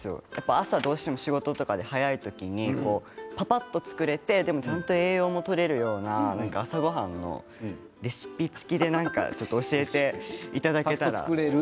朝どうしても仕事で早い時に、ぱぱっと作れてでもちゃんと栄養もとれるような朝ごはんのレシピ付きで何か教えていただけたらなと。